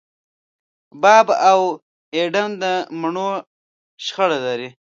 باب او اېډم د مڼو شخړه لري.